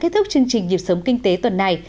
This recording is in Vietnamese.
kết thúc chương trình nhịp sống kinh tế tuần này